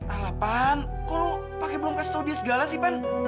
alah pan kok lu pake belum kasih tau dia segala sih pan